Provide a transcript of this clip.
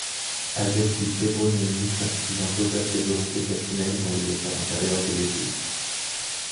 Adepte du fébronianisme, il imposa ses volontés personnelles dans les affaires intérieures de l'Église.